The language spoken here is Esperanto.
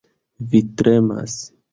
Vi tremas.